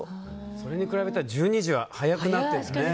それに比べたら１２時は早くなってるね。